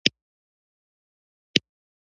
د امواس د هدیرې کیسه جالبه ده.